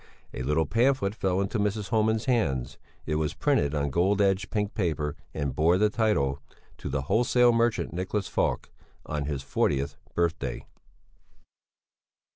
A little pamphlet fell into Mrs. Homan's hands; it was printed on gold edged pink paper and bore the title: "To the wholesale merchant Nicholas Falk, on his fortieth birthday."